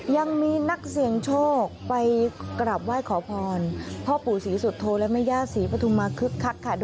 ยังมีนักเสี่ยงโชคไปกราบไหว้ขอพรพ่อปู่ศรีสุโธและแม่ย่าศรีปฐุมมาคึกคักค่ะ